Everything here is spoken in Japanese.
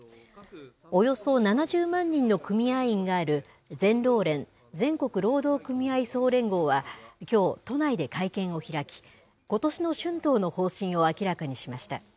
およそ７０万人の組合員がいる全労連・全国労働組合総連合は、きょう、都内で会見を開き、ことしの春闘の方針を明らかにしました。